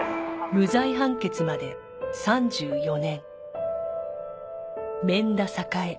無罪判決まで３４年免田栄